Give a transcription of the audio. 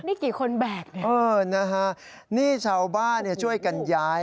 นี่กี่คนแบกเนี่ยว้าวนี่ชาวบ้านช่วยกันย้าย